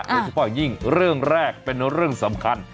โดยเฉพาะอย่างยิ่งเรื่องแรกเป็นเรื่องสำคัญ